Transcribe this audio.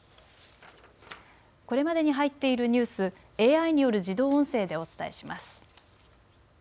これまでに入っているニュース、ＡＩによる自動音声でお伝えします。